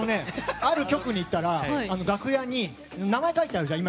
ある局に行ったら楽屋にさっきのみたいに名前が書いてあるじゃん